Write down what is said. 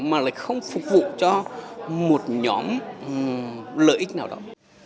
mà lại không phục vụ cho một nhóm lợi ích nào đó